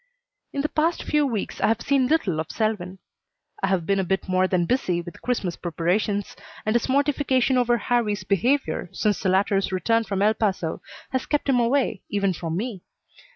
In the past few weeks I have seen little of Selwyn. I have been a bit more than busy with Christmas preparations, and his mortification over Harrie's behavior since the latter's return from El Paso has kept him away even from me.